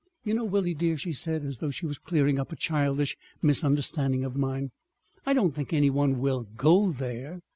"You know, Willie, dear," she said, as though she was clearing up a childish misunderstanding of mine, "I don't think any one will go there.